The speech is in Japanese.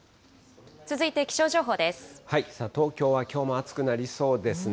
東京は、きょうも暑くなりそうですね。